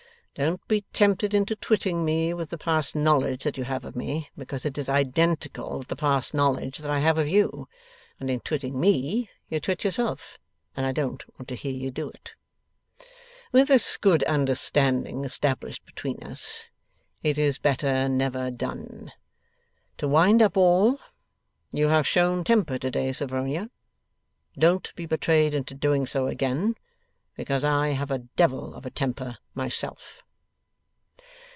Don't be tempted into twitting me with the past knowledge that you have of me, because it is identical with the past knowledge that I have of you, and in twitting me, you twit yourself, and I don't want to hear you do it. With this good understanding established between us, it is better never done. To wind up all: You have shown temper today, Sophronia. Don't be betrayed into doing so again, because I have a Devil of a temper myself.